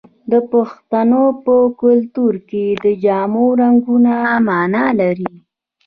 د پښتنو په کلتور کې د جامو رنګونه مانا لري.